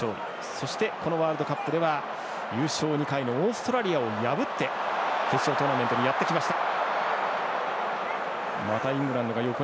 そして、ワールドカップでは優勝２回のオーストラリアを破って決勝トーナメントにやってきました。